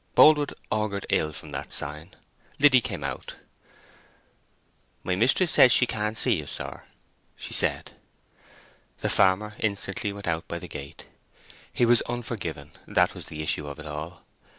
Boldwood augured ill from that sign. Liddy came out. "My mistress cannot see you, sir," she said. The farmer instantly went out by the gate. He was unforgiven—that was the issue of it all.